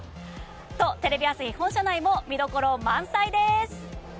と、テレビ朝日本社内も見どころ満載です！